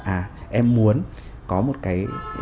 à em muốn có một cái